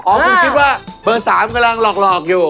ผมคิดว่าเบอร์๓กำลังหลอกอยู่